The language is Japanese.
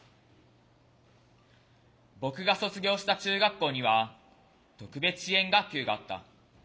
僕が卒業した中学校には特別支援学級があった。